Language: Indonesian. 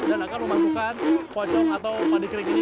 dan akan memasukkan pocong atau padikering ini